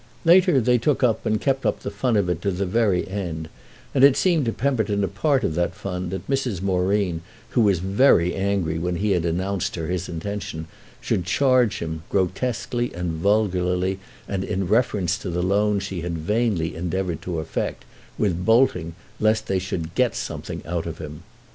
Later they took up and kept up the fun of it to the very end; and it seemed to Pemberton a part of that fun that Mrs. Moreen, who was very angry when he had announced her his intention, should charge him, grotesquely and vulgarly and in reference to the loan she had vainly endeavoured to effect, with bolting lest they should "get something out" of him.